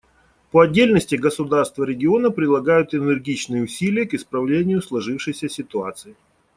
По отдельности государства региона прилагают энергичные усилия к исправлению сложившейся ситуации.